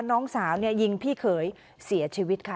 น้องสาวยิงพี่เคยเสียชีวิตค่ะ